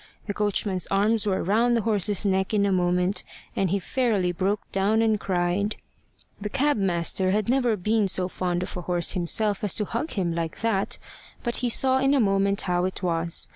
The coachman's arms were round the horse's neck in a moment, and he fairly broke down and cried. The cab master had never been so fond of a horse himself as to hug him like that, but he saw in a moment how it was.